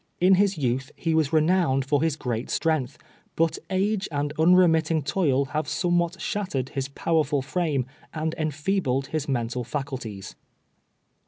In his youth he was renowned for his great strength, but age and unremitting toil have somewhat shattered his powerful frame and enfeebled his mental faculties.